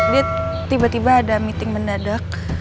dia tiba tiba ada meeting mendadak